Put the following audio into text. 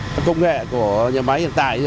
các công nghệ của nhà máy hiện tại